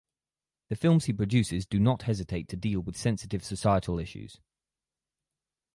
The films he produces do not hesitate to deal with sensitive societal issues.